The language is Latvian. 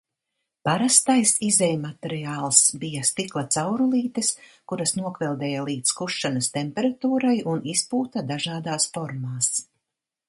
Parastais izejmateriāls bija stikla caurulītes, kuras nokveldēja līdz kušanas temperatūrai un izpūta dažādās formās.